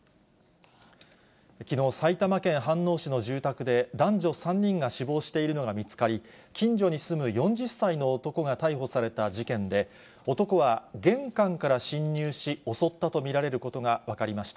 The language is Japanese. きのう、埼玉県飯能市の住宅で、男女３人が死亡しているのが見つかり、近所に住む４０歳の男が逮捕された事件で、男は玄関から侵入し、襲ったと見られることが分かりました。